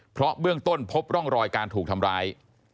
เพราะเบื้องต้นพบร่องรอยการถูกทำร้าย